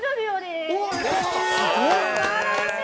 ◆すばらしい！